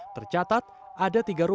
tercatat ada tiga rumah